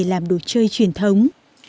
làm đồ chơi truyền thống